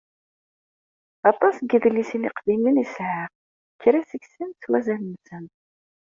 Aṭas n yedlisen iqdimen i sεiɣ. Kra seg-sen s wazal-nsen.